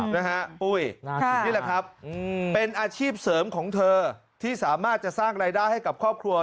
นะฮะปุ้ยนี่แหละครับเป็นอาชีพเสริมของเธอที่สามารถจะสร้างรายได้ให้กับครอบครัว